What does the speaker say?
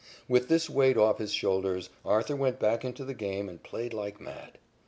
With this weight off his shoulders, Arthur went back into the game and played like mad.